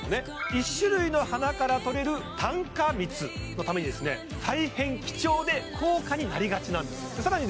１種類の花から採れる単花蜜のために大変貴重で高価になりがちなんですさらに